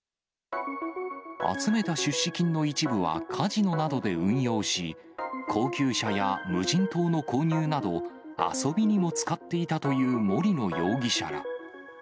集めた出資金の一部はカジノなどで運用し、高級車や無人島の購入など、遊びにも使っていたという森野容疑者ら。